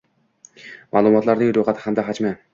ma’lumotlarning ro‘yxati hamda hajmi